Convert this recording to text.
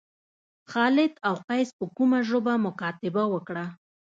خالد او قیس په کومه ژبه مکاتبه وکړه.